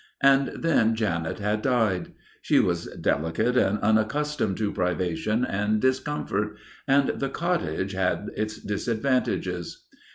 And then Janet had died. She was delicate and unaccustomed to privation and discomfort and the cottage had its disadvantages.